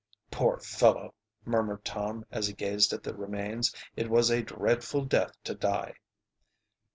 "Poor fellow!" murmured Tom, as he gazed at the remains. "It was a dreadful death to die!"